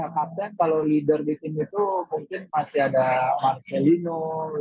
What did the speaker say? kapten kalau leader di tim itu mungkin masih ada marcelino